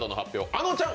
あのちゃん